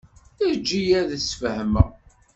Eǧǧ-iyi ad d-sfehmeɣ.